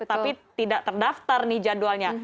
tapi tidak terdaftar nih jadwalnya